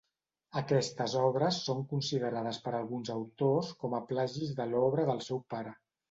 Aquestes obres són considerades per alguns autors com a plagis de l'obra del seu pare.